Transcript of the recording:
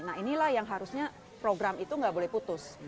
nah inilah yang harusnya program itu nggak boleh putus